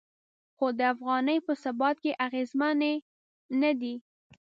خو د افغانۍ په ثبات کې اغیزمنې نه دي.